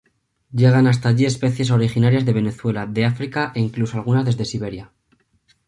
Llegan hasta allí especies originarias de Venezuela, de África e incluso algunas desde Siberia.